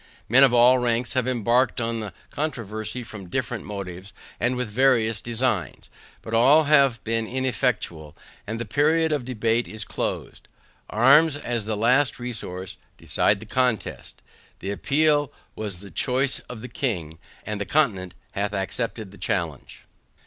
Men of all ranks have embarked in the controversy, from different motives, and with various designs; but all have been ineffectual, and the period of debate is closed. Arms, as the last resource, decide the contest; the appeal was the choice of the king, and the continent hath accepted the challenge.